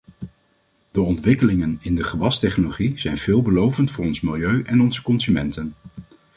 De ontwikkelingen in de gewastechnologie zijn veelbelovend voor ons milieu en onze consumenten.